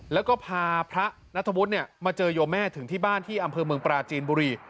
แล้วก็พาพระนัทวุฒิมาเจอโยมแม่ถึงที่บ้านที่อำเภอเมืองปราจีนบุรี